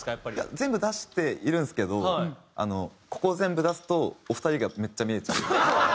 全部出しているんですけどここを全部出すとお二人がめっちゃ見えちゃう。